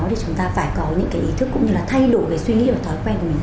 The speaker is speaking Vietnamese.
thì chúng ta phải có những cái ý thức cũng như là thay đổi cái suy nghĩ và thói quen của mình